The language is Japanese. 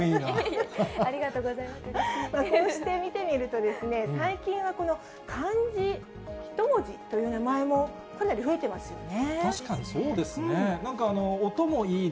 ありがとうございます、こうして見てみると、最近は、この漢字一文字という名前もかなり増えてますよね。